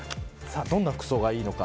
どんな服装がいいのか。